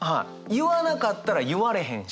言わなかったら言われへんし。